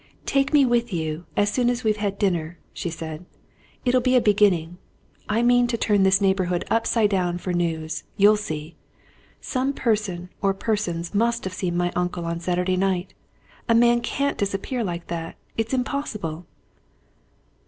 "Take me with you, as soon as we've had dinner," she said. "It'll be a beginning. I mean to turn this neighbourhood upside down for news you'll see. Some person or persons must have seen my uncle on Saturday night! a man can't disappear like that. It's impossible!"